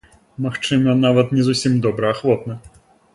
Магчыма, нават не зусім добраахвотна.